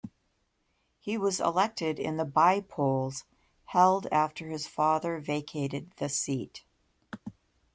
He was elected in the by-polls held after his father vacated the seat.